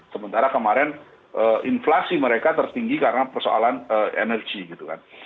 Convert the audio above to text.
sementara kemarin inflasi mereka tertinggi karena persoalan energi gitu kan